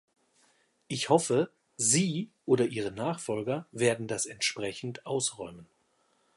Ich hoffe, Sie oder Ihre Nachfolger werden das entsprechend ausräumen.